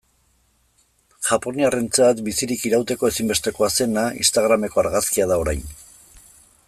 Japoniarrentzat bizirik irauteko ezinbestekoa zena, instagrameko argazkia da orain.